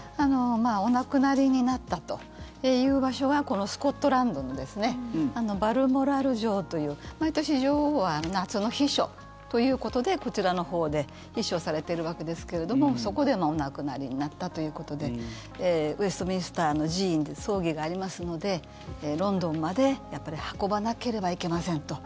お亡くなりになったという場所はこのスコットランドのバルモラル城という毎年、女王は夏の避暑ということでこちらのほうで避暑されているわけですけれどもそこでお亡くなりになったということでウェストミンスターの寺院で葬儀がありますのでロンドンまで、やっぱり運ばなければいけませんと。